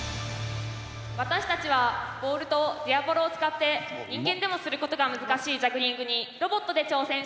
私たちはボールとディアボロを使って人間でもすることが難しいジャグリングにロボットで挑戦します。